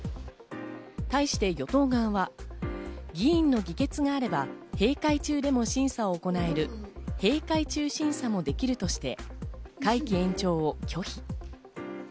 対して与党側は議員の議決があれば閉会中でも審査を行える閉会中審査もできるとして、会期延長を拒否。